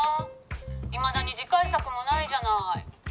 「いまだに次回作もないじゃない」